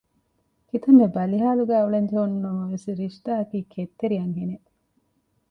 ކިތައްމެ ބަލިހާލުގައި އުޅެންޖެހުނު ނަމަވެސް ރިޝްދާއަކީ ކެތްތެރި އަންހެނެއް